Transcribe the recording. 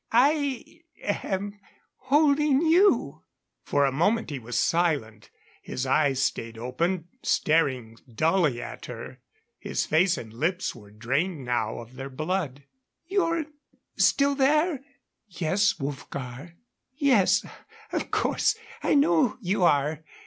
I am holding you." For a moment he was silent. His eyes stayed open, staring dully at her. His face and lips were drained now of their blood. "You're still there?" "Yes, Wolfgar." "Yes of course I know you are.